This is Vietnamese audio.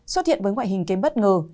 xuất hiện với ngoại hình kém bất ngờ